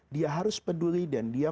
dia harus peduli dan dia